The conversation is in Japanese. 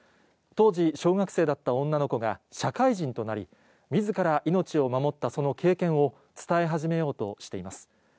当時小学生だった女の子が社会人となり、みずから命を守ったその経験を伝え始めようとしています。